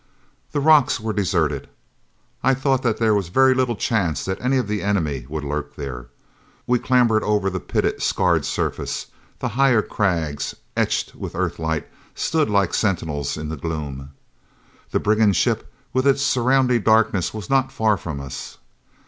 The rocks were deserted. I thought that there was very little chance that any of the enemy would lurk here. We clambered over the pitted, scarred surface; the higher crags, etched with Earthlight, stood like sentinels in the gloom. The brigand ship with its surrounding darkness was not far from us.